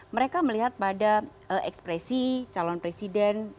mereka melihat pada ekspresi calon presiden